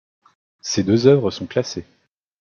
Ces deux œuvres sont classées.